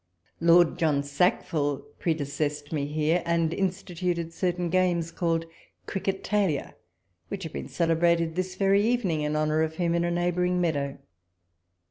Lord John Sack ville predecesscd me here, and instituted certain games called cricket alia, which have been cele brated this very evening in honour of him in a neighbouring meadow.